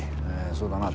そうだな